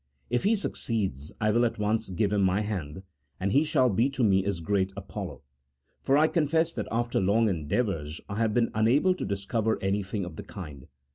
1 If he succeeds, I will at once give him my hand, and he shall be to me as great Apollo; for I confess that after long endeavours I have been unable to discover anything of the kind.